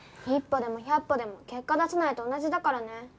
一歩でも百歩でも結果出さないと同じだからね。